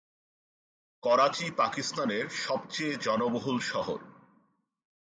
করাচী পাকিস্তানের সবচেয়ে জনবহুল শহর।